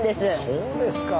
そうですか。